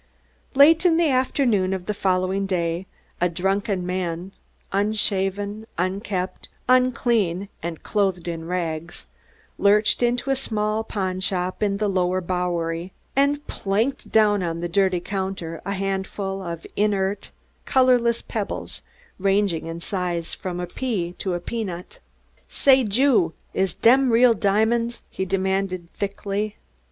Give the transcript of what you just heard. Late in the afternoon of the following day a drunken man, unshaven, unkempt, unclean and clothed in rags, lurched into a small pawnshop in the lower Bowery and planked down on the dirty counter a handful of inert, colorless pebbles, ranging in size from a pea to a peanut. "Say, Jew, is them real diamonds?" he demanded thickly.